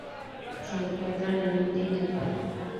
Se encuentran en India y Nepal.